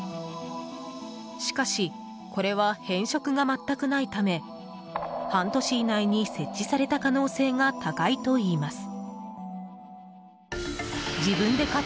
しかし、これは変色が全くないため半年以内に設置された可能性が高いといいます。